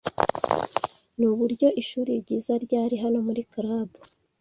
Nuburyo ishuri ryiza ryari hano muri club